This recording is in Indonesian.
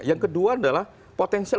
yang kedua adalah potensial